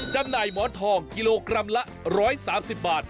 จำหน่ายหมอนทองกิโลกรัมละ๑๓๐บาท